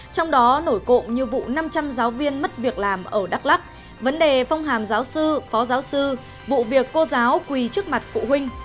trong đó nổi cộng như vụ năm trăm linh giáo viên mất việc làm ở đắk lắc vấn đề phong hàm giáo sư phó giáo sư vụ việc cô giáo quỳ trước mặt phụ huynh